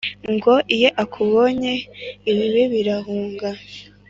ngo iyo akubonye ibibi birahunga